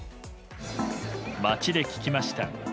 街で聞きました。